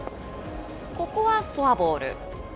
ここはフォアボール。